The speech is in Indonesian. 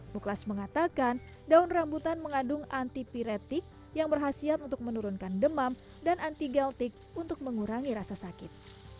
muklas mengatakan daun rambutan mengandung antipiretik yang berhasil untuk menurunkan demam dan antigeltik untuk mengurangi rasa sakit